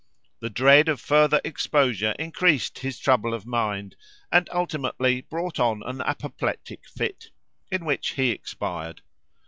The dread of further exposure increased his trouble of mind, and ultimately brought on an apoplectic fit, in which he expired.